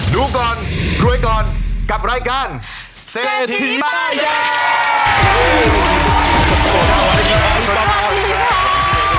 ดูก่อนรวยก่อนกับรายการเสธริปัน